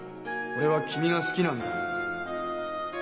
俺は君が好きなんだ。